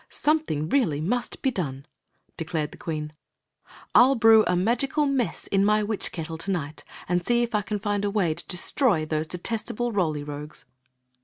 "Something really must be done," declared the queen. 1 11 brew a magical mess in my witch kettle 'to night, and see if I can find a way to destroy those detestable Roly Rogues.